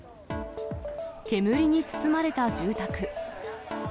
煙に包まれた住宅。